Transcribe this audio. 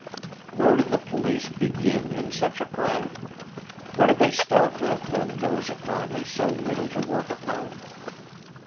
Where do the police begin in such a crime? What do they start with when there is apparently so little to work upon?